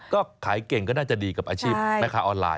ก็ขายเก่งก็น่าจะดีกับอาชีพแม่ค้าออนไลน